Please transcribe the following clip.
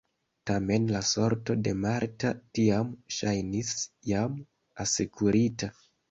Tamen la sorto de Marta tiam ŝajnis jam asekurita.